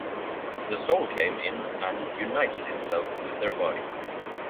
The soul came in and united itself with their body.